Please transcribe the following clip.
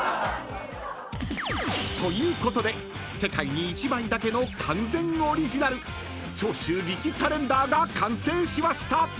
［ということで世界に１枚だけの完全オリジナル長州力カレンダーが完成しました！］